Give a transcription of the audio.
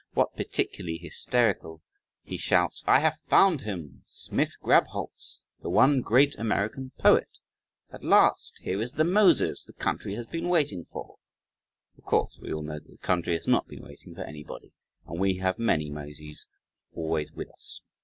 When particularly hysterical he shouts, "I have found him! Smith Grabholz the one great American poet, at last, here is the Moses the country has been waiting for" (of course we all know that the country has not been waiting for anybody and we have many Moses always with us).